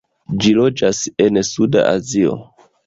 Ĝi loĝas en Suda Azio.